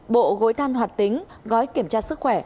bộ gối than hoạt tính gói kiểm tra sức khỏe